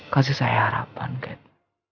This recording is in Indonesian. kasih saya harapan kate